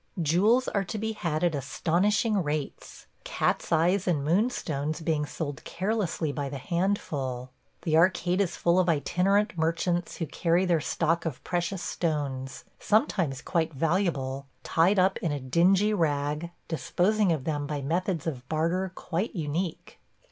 Jewels are to be had at astonishing rates – cat's eyes and moon stones being sold carelessly by the handful. The arcade is full of itinerant merchants who carry their stock of precious stones – sometimes quite valuable – tied up in a dingy rag, disposing of them by methods of barter quite unique.